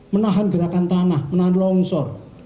menahan gerakan tanah menahan longsor